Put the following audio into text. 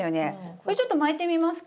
これちょっと巻いてみますか。